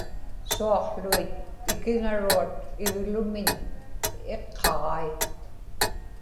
suaqłuit ikiŋaruat iglumiñ iqqaġai